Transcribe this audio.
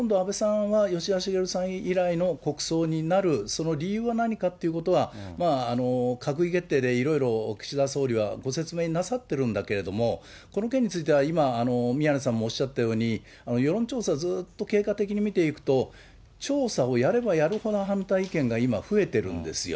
その理由は何かっていうことは、閣議決定でいろいろ岸田総理はご説明なさってるんだけれども、この件については今、宮根さんもおっしゃったように、世論調査、ずっと経過的に見ていくと、調査をやればやるほど、反対意見が今、増えてるんですよ。